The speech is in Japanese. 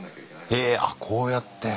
へえこうやって。